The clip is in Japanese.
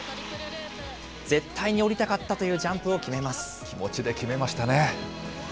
絶対に降りたかったというジャン気持ちで決めましたね。